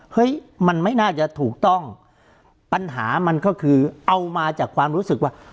เฮ้ยมันไม่น่าจะถูกต้องปัญหามันก็คือเอามาจากความรู้สึกว่า